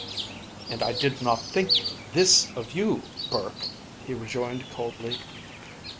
"And I did not think this of you, Burke," he rejoined coldly.